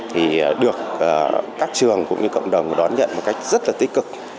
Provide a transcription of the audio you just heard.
thì được các trường cũng như cộng đồng đón nhận một cách rất là tích cực